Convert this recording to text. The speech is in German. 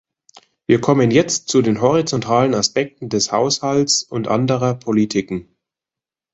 Wir kommen jetzt zu den horizontalen Aspekten des Haushalts und anderer Politiken.